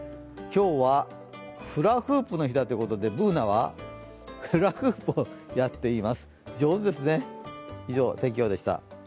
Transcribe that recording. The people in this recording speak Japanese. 今日はフラフープの日ということでＢｏｏｎａはフラフープをやっています上手ですね。